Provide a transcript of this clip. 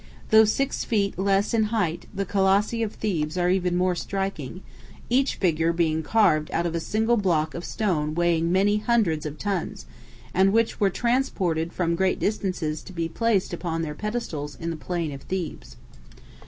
Though 6 feet less in height, the colossi of Thebes are even more striking, each figure being carved out of a single block of stone weighing many hundreds of tons, and which were transported from a great distance to be placed upon their pedestals in the plain of Thebes. [Illustration: THE COLOSSI OF THEBES MOONRISE.